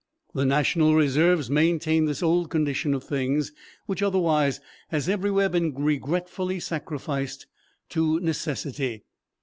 The national reserves maintain this old condition of things, which otherwise has everywhere been regretfully sacrificed to necessity.